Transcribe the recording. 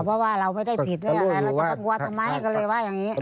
เพราะว่าเราไม่ได้ผิดด้วยอะไรเราจะไปกลัวทำไมก็เลยว่าอย่างนี้